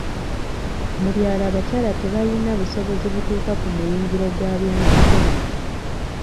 Mu byalo abakyala tebayina busobozi butuuka ku muyingiro gwa bya nsimbi.